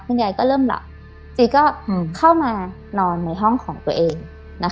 คุณยายก็เริ่มหล่อจีก็อืมเข้ามานอนในห้องของตัวเองนะคะ